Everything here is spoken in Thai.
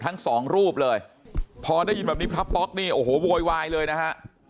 ทั้งสองรูปเลยพอได้ยินแบบนี้พระป๊อกนี่โอ้โหโวยวายเลยนะฮะ